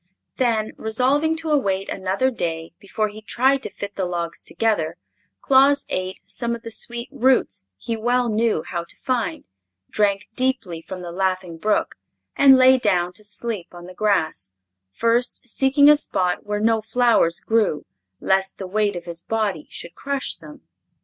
Then, resolving to await another day before he tried to fit the logs together, Claus ate some of the sweet roots he well knew how to find, drank deeply from the laughing brook, and lay down to sleep on the grass, first seeking a spot where no flowers grew, lest the weight of his body should crush them.